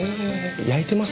妬いてます？